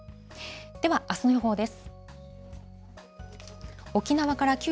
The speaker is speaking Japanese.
では、あすの予報です。